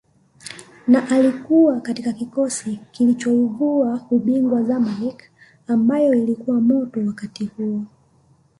na alikuwa katika kikosi kilichoivua ubingwa Zamaleck ambayo ilikuwa moto wakati huo